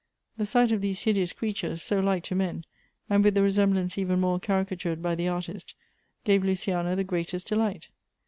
The sight of these hideous creatures, so like to men, and with the resemblance even more carica tured by the artist, gave Luciana the greatest delight.